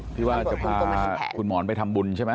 ที่ว่าจะพาคุณหมอนไปทำบุญใช่ไหม